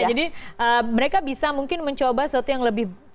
jadi mereka bisa mungkin mencoba sesuatu yang lebih tinggi